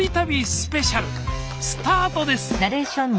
スタートです！